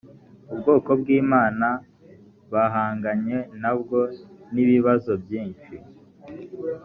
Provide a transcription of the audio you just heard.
ubwoko bw’imana bahanganye nabwo, n’ibibazo byinshi